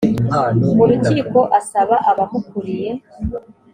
mu rukiko asaba abamukuriye